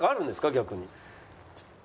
逆に。